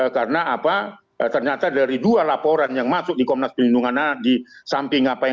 karena ternyata dari dua laporan yang masuk di komnas penyelenggaraan anak